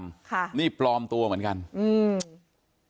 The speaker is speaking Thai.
ค่ะนี่ปลอมตัวเหมือนกันอืม